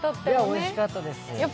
美味しかったです。